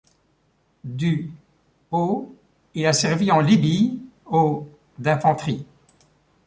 Du au il a servi en Libye au d'infanterie.